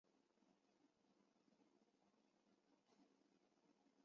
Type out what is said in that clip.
垃圾广告软件是一种由垃圾邮件发送者设计的软件。